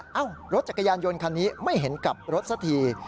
เอ้ารถจักรยานยนต์คันนี้ไม่เห็นกับรถสักที